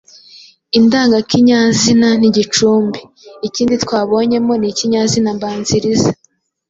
indangakinyazina n’igicumbi. Ikindi twabonyemo ni ikinyazina mbanziriza